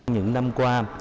những năm qua